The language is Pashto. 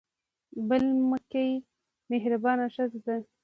بل مکۍ مهربانه ښځه ده.